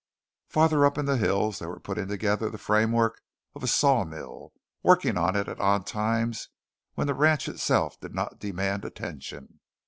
Farther up in the hills they were putting together the framework of a sawmill, working on it at odd times when the ranch itself did not demand attention.